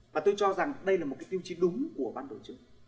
và tôi cho rằng đây là một cái tiêu chí đúng của ban tổ chức